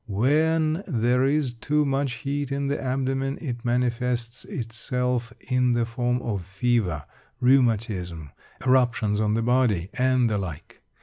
When there is too much heat in the abdomen, it manifests itself in the form of fever, rheumatism, eruptions on the body, and the like.